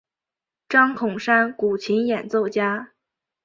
张孔山古琴演奏家。